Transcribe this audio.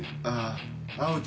ああ。